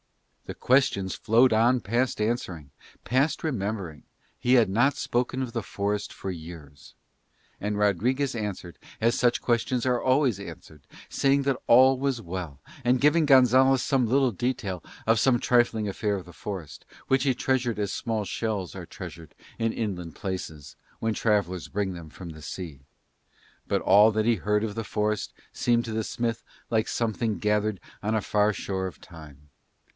The questions flowed on past answering, past remembering: he had not spoken of the forest for years. And Rodriguez answered as such questions are always answered, saying that all was well, and giving Gonzalez some little detail of some trifling affair of the forest, which he treasured as small shells are treasured in inland places when travellers bring them from the sea; but all that he heard of the forest seemed to the smith like something gathered on a far shore of time.